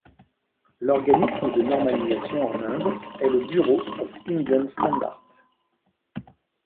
L'organisme de normalisation en Inde est le Bureau of Indian Standards.